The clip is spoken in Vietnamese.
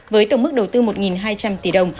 với tổng mức đầu tư một hai trăm linh tỷ đồng